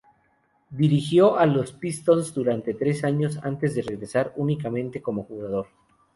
Dirigió a los Pistons durante tres años antes de regresar únicamente como jugador.